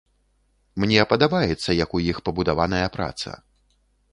Мне падабаецца, як у іх пабудаваная праца.